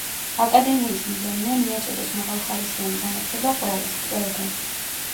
აკადემიის მიზანია, „მიაწოდოს მაღალხარისხიანი განათლება ყველას, ყველგან“.